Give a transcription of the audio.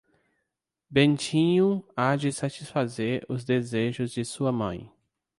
Bentinho há de satisfazer os desejos de sua mãe.